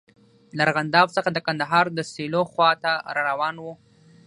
له ارغنداب څخه د کندهار د سیلو خواته را روان وو.